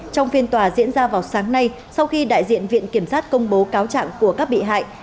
trong phiên tòa diễn ra vào sáng nay sau khi đại diện viện kiểm sát công bố cáo trạng của các bị hại